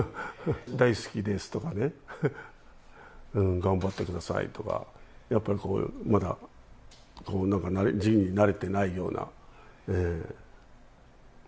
大好きですとかね、頑張ってくださいとか、やっぱりこう、まだなんか字に慣れてないような。